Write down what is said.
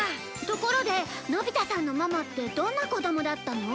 ところでのび太さんのママってどんな子供だったの？